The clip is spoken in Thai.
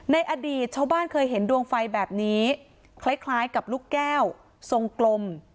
ในอดีตชาวบ้านเคยเห็นดวงไฟแบบนี้คล้ายกับลูกแก้วทรงกลม